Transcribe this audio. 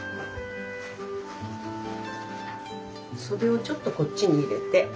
袖をちょっとこっちに入れて。